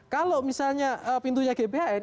kalau misalnya pintunya gbhn